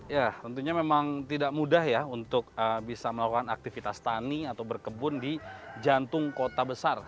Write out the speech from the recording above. ya tentunya memang tidak mudah ya untuk bisa melakukan aktivitas tani atau berkebun di jantung kota besar